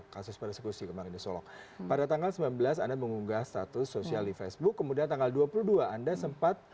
kasus persekusi kemarin di solok pada tanggal sembilan belas anda mengunggah status sosial di facebook kemudian tanggal dua puluh dua anda sempat